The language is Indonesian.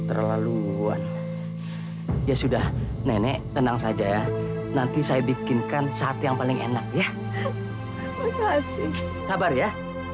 terlalu ya sudah nenek tenang saja ya nanti saya bikinkan saat yang paling enak ya sabar ya